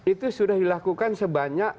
itu sudah dilakukan sebanyak